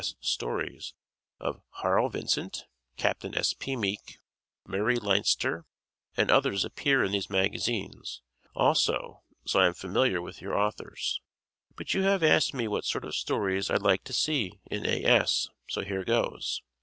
S., Stories of Harl Vincent, Capt. S. P. Meek, Murray Leinster, and others appear in these magazines, also, so I am familiar with your authors. But you have asked me what sort of stories I'd like to see in A. S., so here goes.